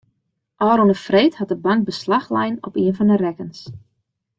Ofrûne freed hat de bank beslach lein op ien fan de rekkens.